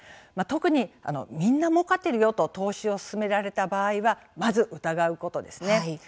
特にみんなもうかっているよと投資を勧められた場合はまず疑うことですね。